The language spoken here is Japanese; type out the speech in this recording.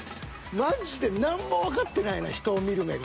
マジで何もわかってないな人を見る目が。